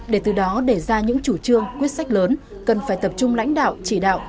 để từ đó để ra những chủ trương quyết sách lớn cần phải tập trung lãnh đạo chỉ đạo